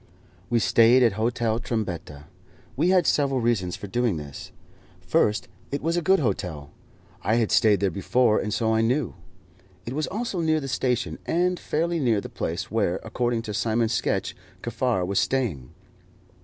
We stayed at Hotel Trombetta. We had several reasons for doing this. First, it was a good hotel. I had stayed there before, and so I knew. It was also near the station, and fairly near the place where, according to Simon's sketch, Kaffar was staying.